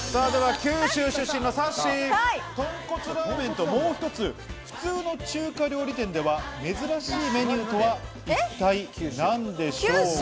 九州出身のさっしー、とんこつラーメンと、もう一つ、普通の中華料理店では珍しいメニューとは一体何でしょう？